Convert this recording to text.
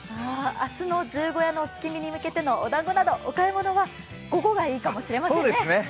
明日の十五夜のお月見に向けてのお買い物は午後がいいかもしれませんね。